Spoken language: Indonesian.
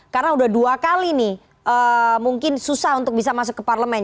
karena sudah dua kali nih mungkin susah untuk bisa masuk ke parlemen